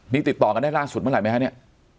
นี่ติดต่อกันได้ล่าสุดเมื่อไหรไหมฮะเนี่ย